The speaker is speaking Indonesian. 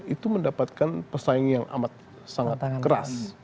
itu mendapatkan pesaing yang amat sangat keras